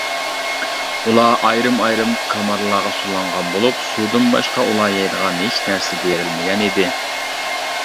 ئۇلار ئايرىم-ئايرىم كامارلارغا سولانغان بولۇپ، سۇدىن باشقا ئۇلار يەيدىغان ھېچ نەرسە بېرىلمىگەن ئىدى.